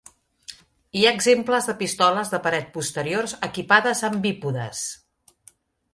Hi ha exemples de pistoles de paret posteriors equipades amb bípodes.